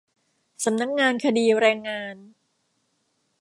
สำนักงานคดีแรงงาน